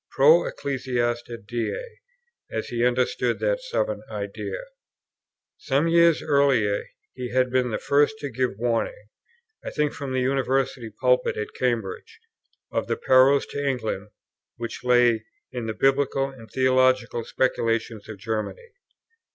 Pro Ecclesia Dei, as he understood that sovereign idea. Some years earlier he had been the first to give warning, I think from the University Pulpit at Cambridge, of the perils to England which lay in the biblical and theological speculations of Germany.